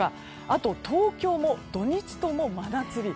あとは東京も土日とも真夏日。